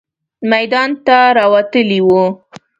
میدان ته راوتلې وه.